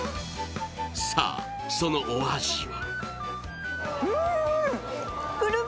さあ、そのお味は？